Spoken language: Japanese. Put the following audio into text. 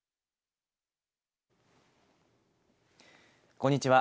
こんにちは。